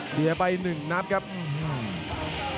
เสริมหักทิ้งลงไปครับรอบเย็นมากครับ